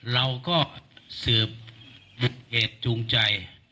เราก็สืบเหตุจูงใจ